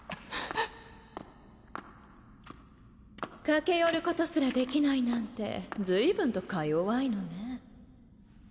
駆け寄ることすらできないなんて随分とかよわいのね。